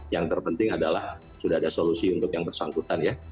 yang terpenting adalah sudah ada solusi untuk yang bersangkutan ya